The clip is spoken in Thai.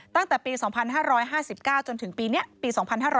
ตั้งแต่ปี๒๕๕๙จนถึงปีนี้ปี๒๕๕๙